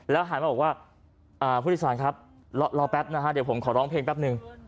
แล้วหายมาบอกว่าอ่าผู้ที่สวัสดีครับรอแป๊บนะฮะเดี๋ยวผมขอร้องเพลงแป๊บนึง